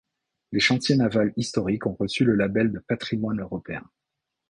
Les chantiers navals historiques ont reçu le Label du patrimoine européen.